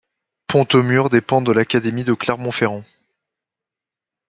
Pontaumur dépend de l'académie de Clermont-Ferrand.